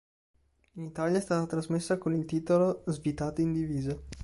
In Italia è stata trasmessa con il titolo "Svitati in divisa".